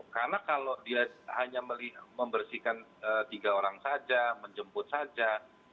karena kalau dia hanya membersihkan tiga orang saja menjemput saja